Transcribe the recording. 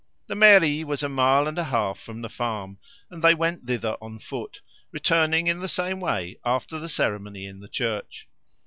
The mairie was a mile and a half from the farm, and they went thither on foot, returning in the same way after the ceremony in the church.